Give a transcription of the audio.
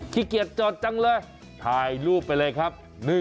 ขี้เกียจจอดจังเลยถ่ายรูปไปเลยครับ